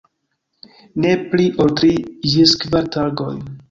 Ne pli ol tri ĝis kvar tagojn.